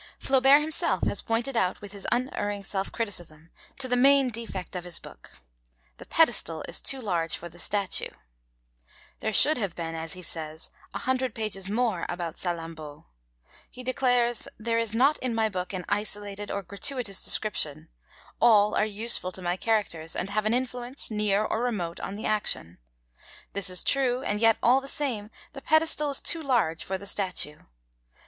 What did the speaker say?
Flaubert himself has pointed, with his unerring self criticism, to the main defect of his book: 'The pedestal is too large for the statue.' There should have been, as he says, a hundred pages more about Salammbô. He declares: 'There is not in my book an isolated or gratuitous description; all are useful to my characters, and have an influence, near or remote, on the action.' This is true, and yet, all the same, the pedestal is too large for the statue.